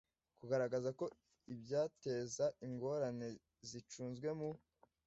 kugaragaza ko ibyateza ingorane zicunzwe mu